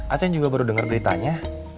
aceh juga baru denger beritanya